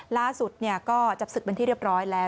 ล่าสุดก็จับศึกเป็นที่เรียบร้อยแล้ว